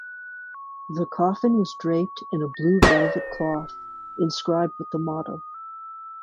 The coffin was draped in a blue-velvet cloth inscribed with the motto.